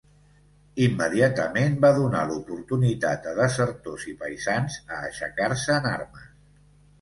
Immediatament va donar l'oportunitat a desertors i paisans a aixecar-se en armes.